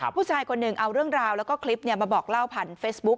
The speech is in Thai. ผู้ชายคนหนึ่งเอาเรื่องราวแล้วก็คลิปมาบอกเล่าผ่านเฟซบุ๊ค